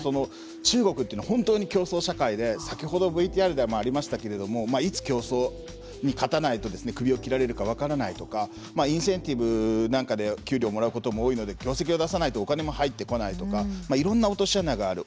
中国というのは本当に競争社会で先ほどＶＴＲでもありましたけれども競争に勝たないと首を切られるか分からないとかインセンティブなんかで給料をもらうことも多いので業績を出さないとお金も入ってこないとかいろんな落とし穴がある。